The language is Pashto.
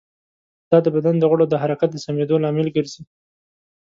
دا د بدن د غړو د حرکت د سمېدو لامل ګرځي.